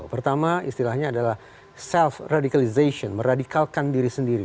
pertama istilahnya adalah self radicalization meradikalkan diri sendiri